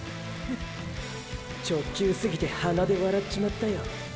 直球すぎて鼻で笑っちまったよ